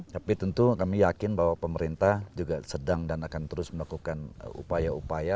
tapi tentu kami yakin bahwa pemerintah juga sedang dan akan terus melakukan upaya upaya